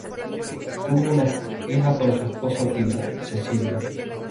Tuvo una hija con su esposa Tilda, Cecilia.